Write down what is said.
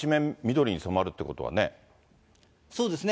これ、そうですね。